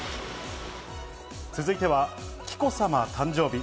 続いては、紀子さま誕生日。